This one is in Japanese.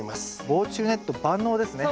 防虫ネット万能ですね。